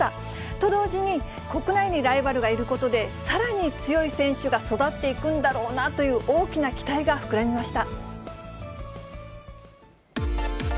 と同時に、国内にライバルがいることで、さらに強い選手が育っていくんだろうなという大きな期待が膨らみました。